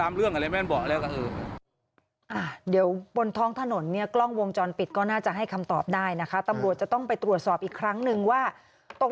เดี๋ยวบนท้องถนนเนี่ยกล้องวงจรปิดก็น่าจะให้คำตอบได้นะคะตำรวจจะต้องไปตรวจสอบอีกครั้งนึงว่าตก